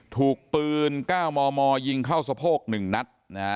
ถูกปืน๙มมยิงเข้าสะโพก๑นัด